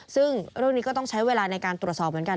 ซึ่งเรื่องนี้ก็ต้องใช้เวลาในการตรวจสอบเหมือนกัน